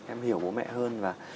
em hiểu bố mẹ hơn